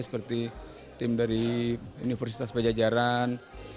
seperti tim dari universitas pejajaran